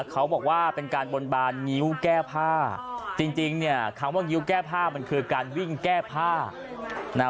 เขาบอกว่าเป็นการบนบานงิ้วแก้ผ้าจริงเนี่ยคำว่างิ้วแก้ผ้ามันคือการวิ่งแก้ผ้านะ